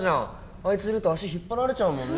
あいついると足引っ張られちゃうもんね